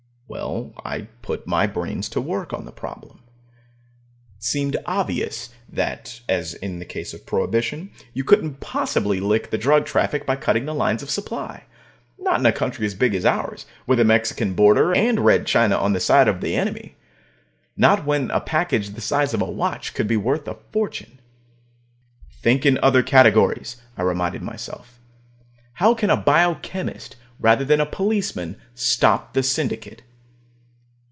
Well, I put my brains to work on the problem. It seemed obvious that, as in the case of Prohibition, you couldn't possibly lick the drug traffic by cutting the lines of supply. Not in a country as big as ours, with the Mexican border and Red China on the side of the enemy. Not when a package the size of a watch could be worth a fortune. Think in other categories, I reminded myself. How can a biochemist, rather than a policeman, stop the Syndicate?